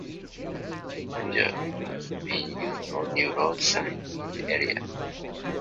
"Stanger" has been used on new road signs in the area.